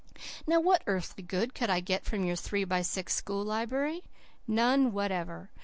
Now, what earthly good could I get from your three by six school library? None whatever.